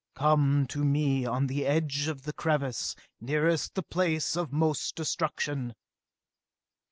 "Come to me on the edge of the crevasse nearest the place of most destruction!"